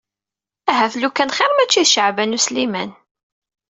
Ahat lukan xir mačči d Caɛban U Sliman.